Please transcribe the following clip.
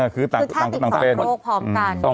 คือแท่ติดสองโรคพร้อมกัน